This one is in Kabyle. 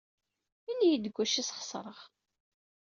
Ini-iyi-d deg wacu ay sxeṣreɣ.